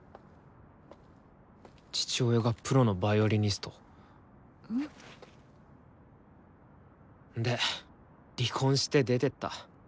父親がプロのヴァイオリニスト。で離婚して出てった。